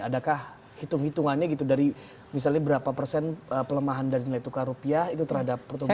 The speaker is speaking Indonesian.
adakah hitung hitungannya gitu dari misalnya berapa persen pelemahan dari nilai tukar rupiah itu terhadap pertumbuhan ekonomi